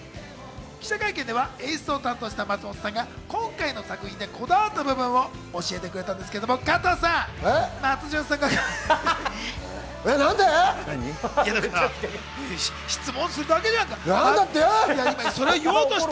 記者会見では演出を担当した松本さんが今回の作品でこだわった部分を教えてくれたんですけど、加藤さん？なんて？